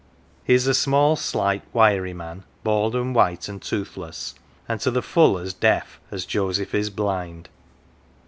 He is a small, slight, wiry man, bald and white and toothless, and to the full as deaf as Joseph is blind.